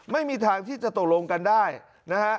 ไม่มีทางที่จะตกลงกันได้นะฮะ